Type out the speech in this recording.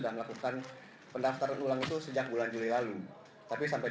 untuk konsep pencariannya sendiri berapa